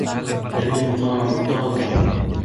Бер генә минутҡа туҡтағыҙ әле.